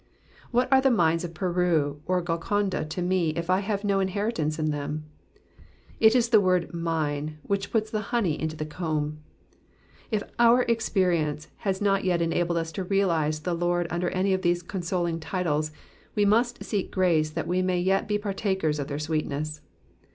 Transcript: What are the mines of Peru or Golconda to me if I have no inheritance in them ? It is the word my which puts the honey into the comb. If our experience has not yet enabled us to realise the Lord under any of these consoling titles, we must seek grace that we may yet be partakers of their sweetness.